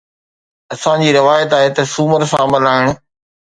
اسان جي روايت آهي ته سومر سان ملهائڻ.